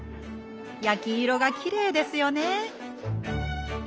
焼き色がきれいですよね！